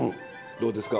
どうですか？